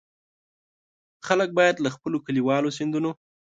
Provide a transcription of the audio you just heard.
خلک باید له خپلو کلیوالو سیندونو.